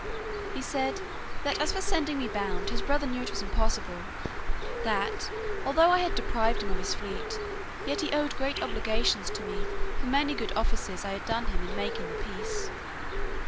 He said, "that as for sending me bound, his brother knew it was impossible; that, although I had deprived him of his fleet, yet he owed great obligations to me for many good offices I had done him in making the peace.